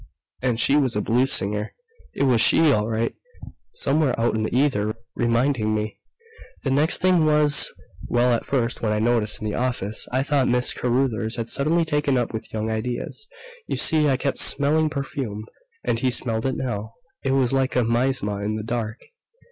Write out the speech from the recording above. "And she was a blues singer.... It was she, all right, somewhere out in the ether, reminding me.... "The next thing was well, at first when I noticed it in the office I thought Miss Carruthers had suddenly taken up with young ideas. You see, I kept smelling perfume." And he smelled it now. It was like a miasma in the dark.